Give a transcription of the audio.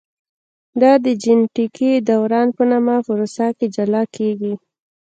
دا د جینټیکي دوران په نامه پروسه کې جلا کېږي.